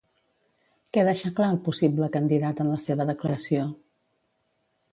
Què deixà clar el possible candidat en la seva declaració?